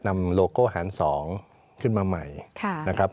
โลโก้หาร๒ขึ้นมาใหม่นะครับ